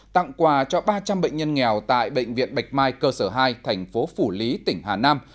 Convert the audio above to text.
tặng quà cho ba trăm linh bệnh nhân nghèo tại bệnh viện bạch mai cơ sở hai thành phố phủ lý tỉnh hà nam